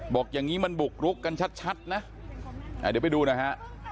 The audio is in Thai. บอกอย่างนี้มันบุกรุกกันชัดนะเดี๋ยวไปดูนะฮะ